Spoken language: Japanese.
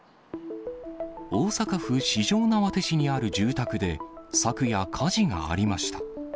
大阪府四條畷市にある住宅で、昨夜火事がありました。